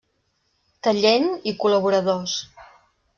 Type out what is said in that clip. Tallent i col·laboradors.